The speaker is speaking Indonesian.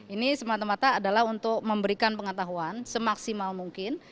ini semata mata adalah untuk memberikan pengetahuan semaksimal mungkin